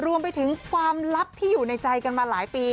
รวมไปถึงความลับที่อยู่ในใจกันมาหลายปี